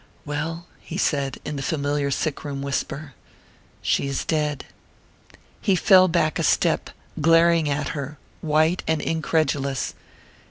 "Well?" he said, in the familiar sick room whisper. "She is dead." He fell back a step, glaring at her, white and incredulous.